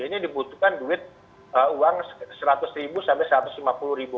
ini dibutuhkan duit uang seratus ribu sampai satu ratus lima puluh ribu